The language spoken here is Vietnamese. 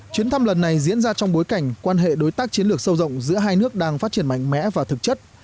chuyến thăm lần này diễn ra trong bối cảnh quan hệ đối tác chiến lược sâu rộng giữa hai nước đang phát triển mạnh mẽ và thực chất